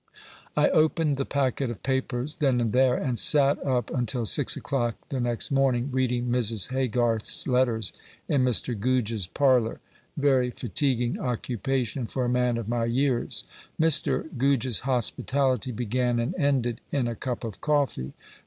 I opened the packet of papers then and there, and sat up until six o'clock the next morning, reading Mrs. Haygarth's letters in Mr. Goodge's parlour. Very fatiguing occupation for a man of my years. Mr. Goodge's hospitality began and ended in a cup of coffee.